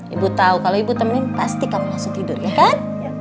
ibu tahu kalau ibu temenin pasti kamu langsung tidur ya kan